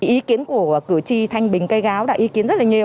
ý kiến của cử tri thanh bình cây gáo đã ý kiến rất là nhiều